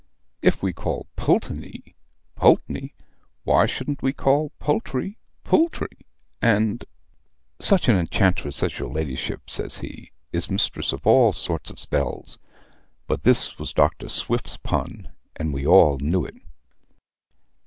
If we call Pulteney Poltney, why shouldn't we call poultry pultry and ' "'Such an enchantress as your ladyship,' says he, 'is mistress of all sorts of spells.' But this was Dr. Swift's pun, and we all knew it.